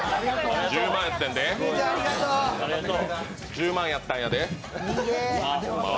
１０万やったんやで、ホンマは。